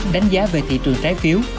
đánh giá về thị trường trái phiếu